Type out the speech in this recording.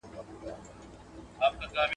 که ناروغي نه وای نو د کلي ژوند به ډېر ښه وای.